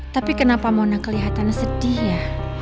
tapi kenapa mona kelihatan sedih ya